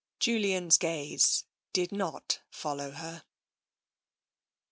Julian's gaze did not follow her.